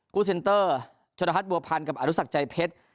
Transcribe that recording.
คู่เซ็นเตอร์จัตุรพัฒน์บัวพันธ์กับอารุศักดิ์ใจเพชร